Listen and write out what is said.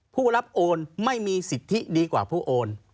ผู้รับโอนไม่มีสิทธิดีกว่าผู้โอน